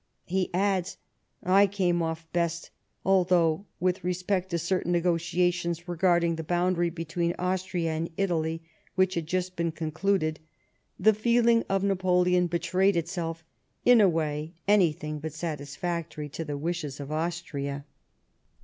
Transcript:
He adds :" I came off best, although," with respect to certain negotiations regarding the boundary between Austria and Italy which had just been concluded —" the feeling of Napoleon betrayed itself in a way anything but satisfactory to the wishes of Austria."